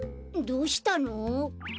どうしたの？